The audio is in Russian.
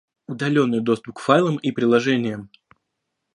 Удаленный доступ к файлам и приложениям